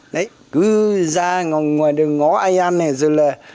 đấy cứ ra ngoài đường ngó ai ăn này rồi là